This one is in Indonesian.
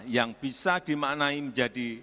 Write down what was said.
yang bisa dimaknai menjadi